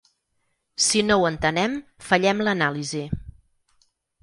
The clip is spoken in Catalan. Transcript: Si no ho entenem, fallem l’anàlisi.